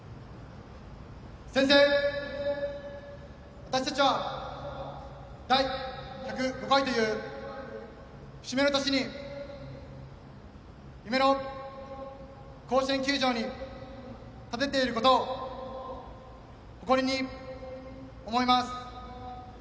私たちは第１０５回という節目の年に夢の甲子園球場に立てていることを誇りに思います。